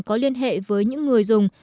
có liên hệ với những người dùng